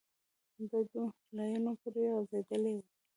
ګډوډ لاینونه پرې غځېدلي وو.